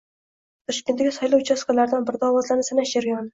Toshkentdagi saylov uchastkalaridan birida ovozlarni sanash jarayoni